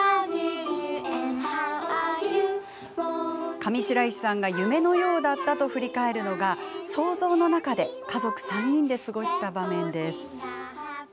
上白石さんが夢のようだったと振り返るのが想像の中で家族３人で過ごした場面です。